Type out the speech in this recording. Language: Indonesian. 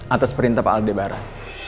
atas perintah pak aldebaran